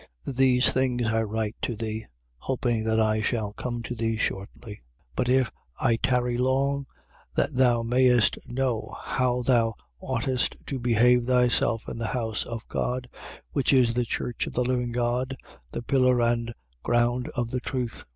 3:14. These things I write to thee, hoping that I shall come to thee shortly. 3:15. But if I tarry long, that thou mayest know how thou oughtest to behave thyself in the house of God, which is the church of the living God, the pillar and ground of the truth.